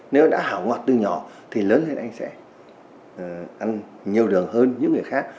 nếu anh đã hảo ngọt từ nhỏ thì lớn lên anh sẽ ăn nhiều đường hơn những người khác